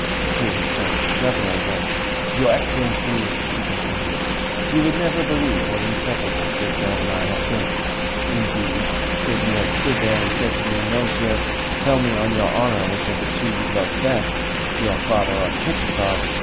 Here he turned to the Governor again. "Your Excellency," he continued, "you would never believe what inseperables this man and I have been. Indeed, if you had stood there and said to me, 'Nozdrev, tell me on your honour which of the two you love best your father or Chichikov?